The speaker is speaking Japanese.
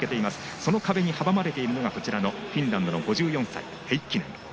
その壁に阻まされているのがフィンランドの５４歳ヘイッキネン。